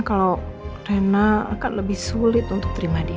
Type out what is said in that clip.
kalau rena akan lebih sulit untuk terima dia